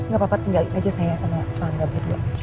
gapapa tinggalin aja saya sama pak angga berdua